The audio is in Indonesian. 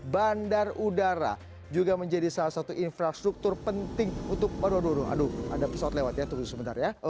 bandar udara juga menjadi salah satu